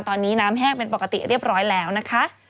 ตอนนี้น้ำแห้งเป็นปกติเรียบร้อยแล้วนะคะ